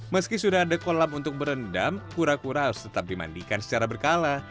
meski sudah ada kolam untuk berendam kura kura harus tetap dimandikan secara berkala